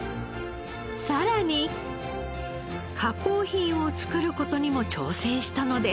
さらに加工品を作る事にも挑戦したのです。